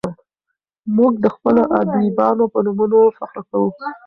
موږ د خپلو ادیبانو په نومونو فخر کوو.